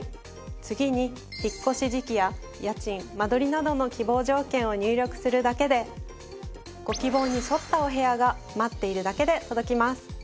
次に引っ越し時期や家賃間取りなどの希望条件を入力するだけでご希望に沿ったお部屋が待っているだけで届きます。